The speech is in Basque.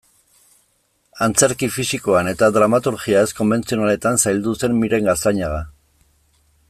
Antzerki fisikoan eta dramaturgia ez-konbentzionaletan zaildu zen Miren Gaztañaga.